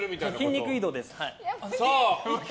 筋肉移動です。